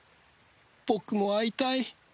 僕も会いたい！